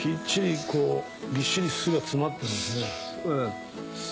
びっしり巣が詰まってるんですね。